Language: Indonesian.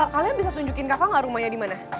kalian bisa tunjukin kakak gak rumahnya dimana